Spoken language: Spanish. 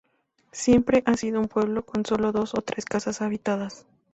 Siempre ha sido un pueblo con sólo dos o tres casas habitadas.